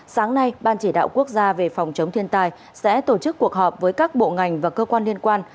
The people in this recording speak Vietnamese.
sáng nay ban chỉ đạo quốc gia về phòng chống thiên tai sẽ tổ chức cuộc họp với các bộ ngành và cơ quan liên quan